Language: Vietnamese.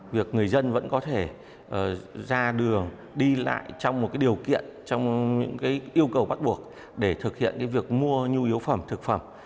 việc người dân vẫn có thể ra đường đi lại trong một điều kiện trong những yêu cầu bắt buộc để thực hiện việc mua nhu yếu phẩm thực phẩm